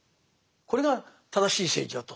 これが正しい政治だと。